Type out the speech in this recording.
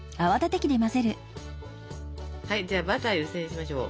じゃあバター湯煎しましょう。